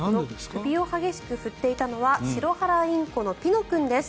首を激しく振っていたのはシロハラインコのピノ君です。